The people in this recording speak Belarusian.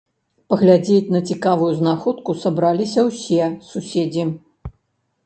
Паглядзець на цікавую знаходку сабраліся ўсе суседзі.